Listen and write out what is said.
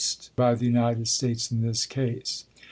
xv. the United States in this ease.